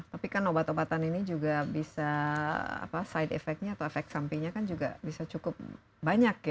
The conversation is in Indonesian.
tapi kan obat obatan ini juga bisa side effect nya atau efek sampingnya kan juga bisa cukup banyak ya